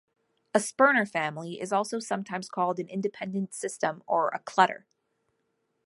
A Sperner family is also sometimes called an independent system or a clutter.